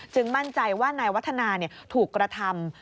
มั่นใจว่านายวัฒนาถูกกระทำ